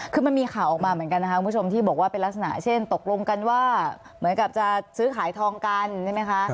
คือมันมีข่าวออกมาเหมือนกันนะคะคุณผู้ชมที่บอกว่าเป็นลักษณะเช่นตกลงกันว่าเหมือนกับจะซื้อขายทองกันใช่ไหมคะ